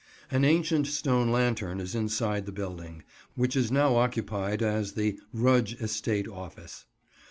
An ancient stone lantern is inside the building, which is now occupied as the "Rudge Estate Office."